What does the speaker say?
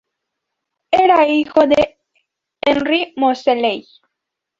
Era hijo de Henry Moseley.